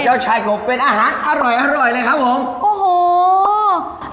เออเจ้าชายกบเป็นอาหารอร่อยเลยครับผม